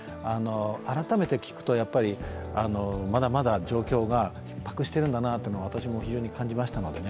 改めて聞くと、まだまだ状況がひっ迫しているんだなっていうのは私も感じましたのでね。